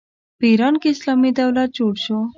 په ایران کې اسلامي دولت جوړ شو.